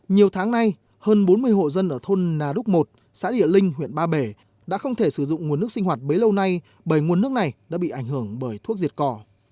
nhiều tháng nay hơn bốn mươi hộ dân ở thôn nà đúc một xã địa linh huyện ba bể đã không thể sử dụng nguồn nước sinh hoạt bấy lâu nay bởi nguồn nước này đã bị ảnh hưởng bởi thuốc diệt cỏ